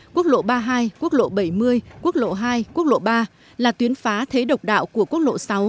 quốc lộ ba mươi hai quốc lộ bảy mươi quốc lộ hai quốc lộ ba là tuyến phá thế độc đạo của quốc lộ sáu